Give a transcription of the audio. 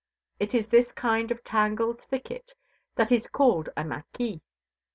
It is this kind of tangled thicket that is called a mâquis.